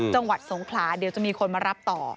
จังหวัดสงขลาเดี๋ยวจะมีคนมารับต่อ